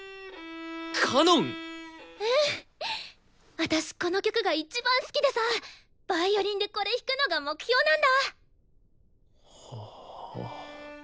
私この曲がいちばん好きでさヴァイオリンでこれ弾くのが目標なんだ！